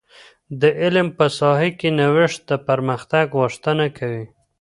د علم په ساحه کي نوښت د پرمختګ غوښتنه کوي.